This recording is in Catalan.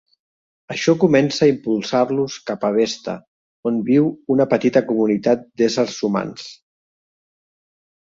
Això comença a impulsar-los cap a Vesta, on viu una petita comunitat d'éssers humans.